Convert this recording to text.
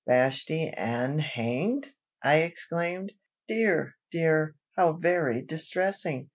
"Vashti Ann hanged!" I exclaimed. "Dear! dear! how very distressing!